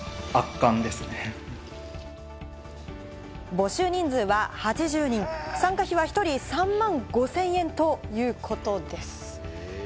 募集人数は８０人、参加費は１人３万５０００円ということです。